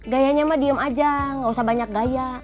gayanya mah diem aja nggak usah banyak gaya